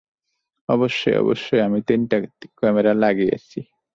অবশ্যই, অবশ্যই, আমি তিনটা ক্যামেরা লাগাইছি।